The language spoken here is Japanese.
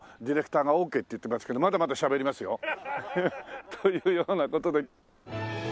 ディレクターがオーケーって言ってますけどまだまだしゃべりますよ。というような事で。